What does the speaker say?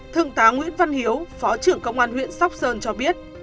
thượng tá nguyễn văn hiếu phó trưởng công an huyện sóc sơn cho biết